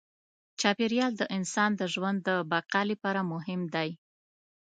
چاپېریال د انسان د ژوند د بقا لپاره مهم دی.